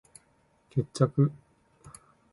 決着ゥゥゥゥゥ！